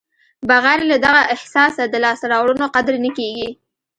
بغیر له دغه احساسه د لاسته راوړنو قدر نه کېږي.